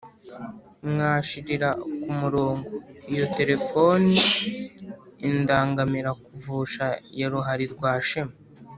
Mwashirira ku murongo iyo telefoniIndangamira kuvusha ya Ruhalirwashema,